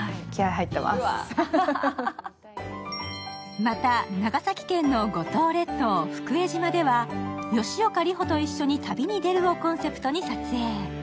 また、長崎県の五島列島・福江島では「吉岡里帆と一緒に旅に出る」をコンセプトに撮影。